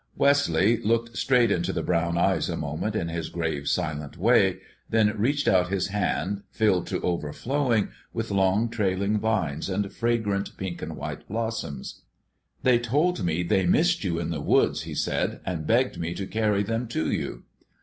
Wesley looked straight into the brown eyes a moment in his grave, silent way, then reached out his hand, filled to overflowing with long trailing vines and fragrant pink and white blossoms. "They told me they missed you in the woods," he said, "and begged me to carry them to you."